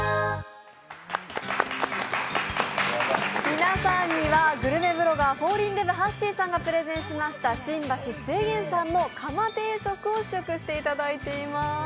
皆さんにはグルメブロガー、フォーリンデブはっしーさんがプレゼンしました、新橋・末げんさんのかま定食を試食していただいています。